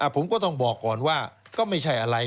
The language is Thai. ผมก็ต้องบอกก่อนว่าก็ไม่ใช่อะไร